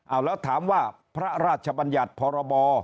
เอาแล้วถามว่าพระราชบัญญัติพรบ